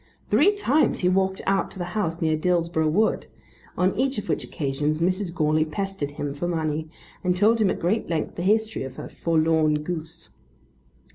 Three times he walked out to the house near Dillsborough Wood, on each of which occasions Mrs. Goarly pestered him for money, and told him at great length the history of her forlorn goose.